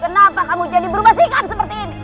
kenapa kamu jadi berubah ikan seperti ini